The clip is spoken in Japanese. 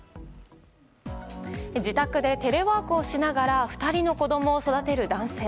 自宅でテレワークをしながら２人の子供を育てる男性。